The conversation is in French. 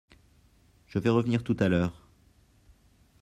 Je vais revenir tout à l’heure.